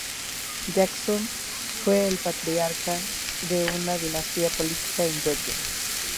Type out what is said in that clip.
Jackson fue el patriarca de una dinastía política en Georgia.